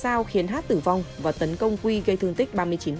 sau khiến hát tử vong và tấn công quy gây thương tích ba mươi chín